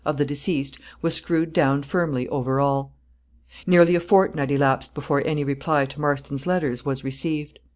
of the deceased, was screwed down firmly over all. Nearly a fortnight elapsed before any reply to Marston's letters was received.